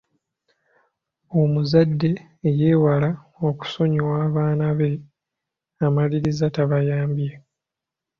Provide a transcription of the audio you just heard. Omuzadde eyeewala okusonyiwa abaana be amaliriza tabayambye.